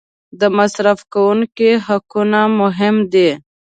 د مصرف کوونکي حقونه مهم دي.